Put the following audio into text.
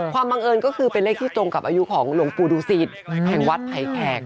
ความบังเอิญก็คือเป็นเลขที่ตรงกับอายุของหลวงปูดูศิษย์แผงวัดภัยแขก